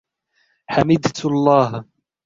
حمدت الله.